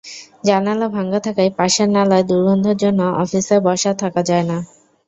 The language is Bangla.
জানালা ভাঙা থাকায় পাশের নালার দুর্গন্ধের জন্য অফিসে বসা থাকা যায় না।